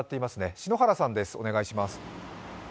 篠原さん、お願いします。